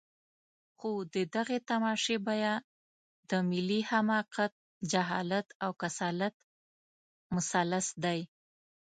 خو د دغې تماشې بیه د ملي حماقت، جهالت او کسالت مثلث دی.